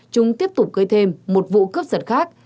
chúng tiếp tục gây thêm một vụ cướp giật khác